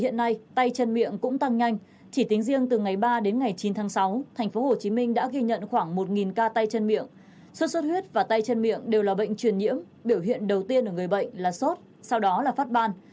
cả tay chân miệng đều là bệnh truyền nhiễm biểu hiện đầu tiên ở người bệnh là sốt sau đó là phát ban